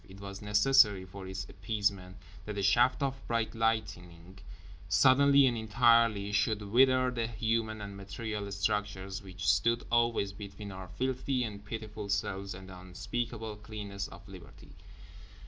It was necessary, for its appeasement, that a shaft of bright lightning suddenly and entirely should wither the human and material structures which stood always between our filthy and pitiful selves and the unspeakable cleanness of Liberty.